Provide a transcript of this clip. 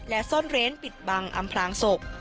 และซ่อนเร้นปิดบังอำพลางศพ